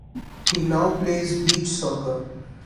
He now plays beach soccer.